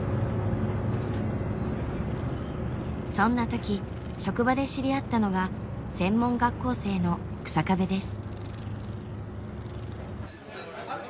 そんな時職場で知り合ったのが専門学校生の日下部です。